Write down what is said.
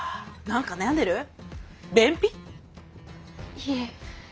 いえ。